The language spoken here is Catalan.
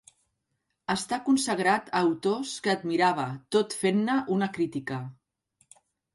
Està consagrat a autors que admirava, tot fent-ne una crítica.